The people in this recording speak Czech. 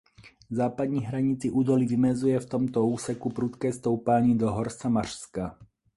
Západní hranici údolí vymezuje v tomto úseku prudké stoupání do hor Samařska.